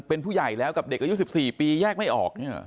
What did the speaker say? เป็นผู้ใหญ่แล้วกับเด็กอายุ๑๔ปีแยกไม่ออก